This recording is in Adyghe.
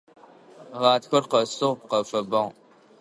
Гъатхэр къэсыгъ, къэфэбагъ.